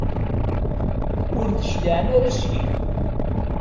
Ur d-cliɛen ara seg-i.